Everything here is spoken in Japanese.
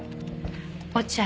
落合